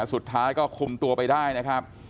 สุดท้ายก็คุมตัวไปได้นะครับ